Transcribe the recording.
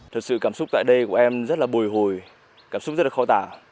thật sự cảm xúc tại đây của em rất là bồi hồi cảm xúc rất là khó tả